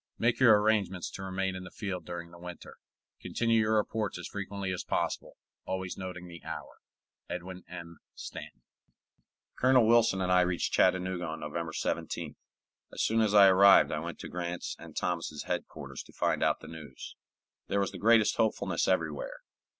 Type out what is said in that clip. Make your arrangements to remain in the field during the winter. Continue your reports as frequently as possible, always noting the hour. EDWIN M. STANTON. Colonel Wilson and I reached Chattanooga on November 17th. As soon as I arrived I went to Grant's and Thomas's headquarters to find out the news. There was the greatest hopefulness everywhere.